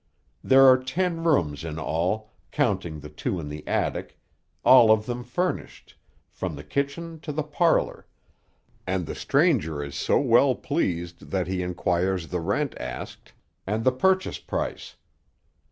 There are ten rooms in all, counting the two in the attic, all of them furnished, from the kitchen to the parlor; and the stranger is so well pleased that he inquires the rent asked, and the purchase price.